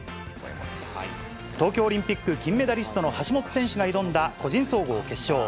東京オリンピック金メダリストの橋本選手が挑んだ個人総合決勝。